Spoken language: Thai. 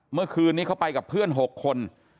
เมื่อคืนนี้เขาไปกับเพื่อน๖คน